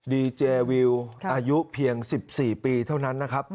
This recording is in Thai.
ดีเจวิวอายุเพียง๑๔ปีเท่านั้นนะครับ